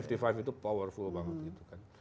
karena lima puluh lima itu powerful banget gitu kan